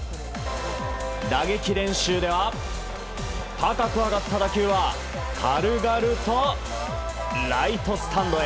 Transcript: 打撃練習では高く上がった打球は軽々とライトスタンドへ。